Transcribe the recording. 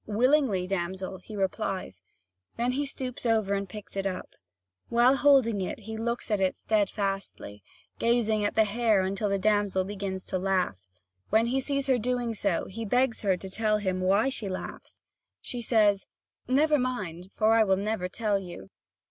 "Willingly, damsel," he replies. Then he stoops over and picks it up. While holding it, he looks at it steadfastly, gazing at the hair until the damsel begins to laugh. When he sees her doing so, he begs her to tell him why she laughs. And she says: "Never mind, for I will never tell you."